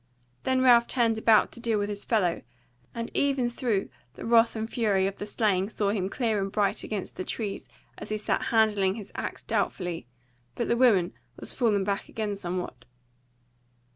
Then Ralph turned about to deal with his fellow, and even through the wrath and fury of the slaying saw him clear and bright against the trees as he sat handling his axe doubtfully, but the woman was fallen back again somewhat.